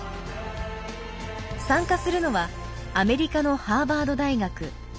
参加するのはアメリカのハーバード大学。